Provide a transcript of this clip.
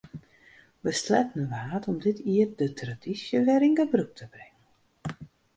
Besletten waard om dit jier de tradysje wer yn gebrûk te bringen.